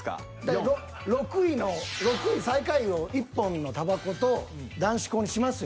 ６位の６位最下位を一本のタバコと「男子校」にしますよ